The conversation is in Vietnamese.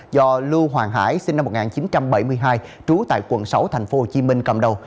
do lưu hoàng hải sinh năm một nghìn chín trăm bảy mươi hai trú tại quận sáu thành phố hồ chí minh cầm đầu